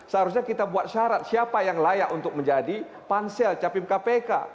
seharusnya kita buat syarat siapa yang layak untuk menjadi pansel capim kpk